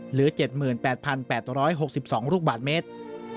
เหลือ๗๘๘๖๒ลูกบาทเมตร